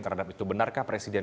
terhadap itu benarkah presiden